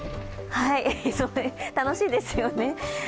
楽しいですよね。